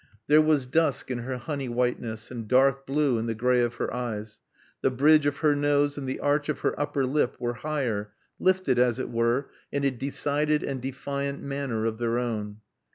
There was dusk in her honey whiteness, and dark blue in the gray of her eyes. The bridge of her nose and the arch of her upper lip were higher, lifted as it were in a decided and defiant manner of their own.